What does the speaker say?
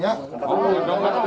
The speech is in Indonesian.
ya angkat dulu ya